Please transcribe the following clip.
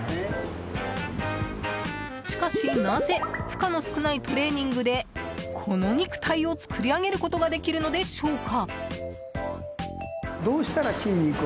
しかし、なぜ負荷の少ないトレーニングでこの肉体を作り上げることができるのでしょうか？